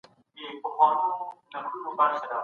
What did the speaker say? استبداد د ټولني ریښې وچوي.